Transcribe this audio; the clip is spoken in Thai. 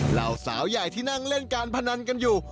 เหล่าสาวใหญ่ที่นั่งเล่นการพนันกันอยู่